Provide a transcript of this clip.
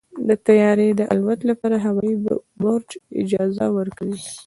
د طیارې د الوت لپاره هوايي برج اجازه ورکوي.